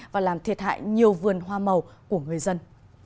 và làm thiệt hại nhiều vườn hoa màu của người dân